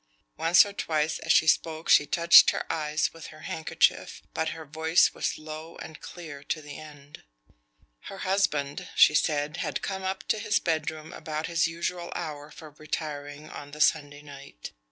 Once or twice as she spoke she touched her eyes with her handkerchief, but her voice was low and clear to the end. Her husband, she said, had come up to his bedroom about his usual hour for retiring on the Sunday night.